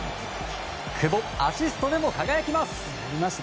久保、アシストでも輝きます！